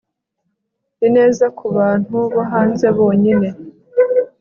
ineza kubantu bo hanze bonyine